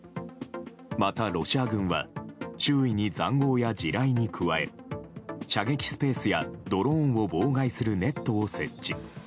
また、ロシア軍は周囲に塹壕や地雷に加え射撃スペースやドローンを妨害するネットを設置。